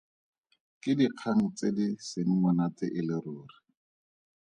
Ke dikgang tse di seng monate e le ruri.